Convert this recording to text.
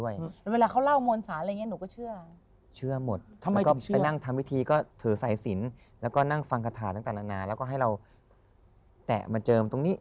อย่างนี้แล้วดีไหมแล้วดีไหมก็ดีในช่วงแรกน้ำมันพลาย